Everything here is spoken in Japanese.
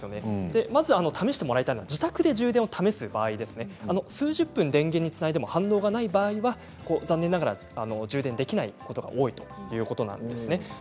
まず試してもらいたいのは自宅で充電を試す場合数十分たっても反応がない場合は残念ながら充電できないことは多いということなんですね。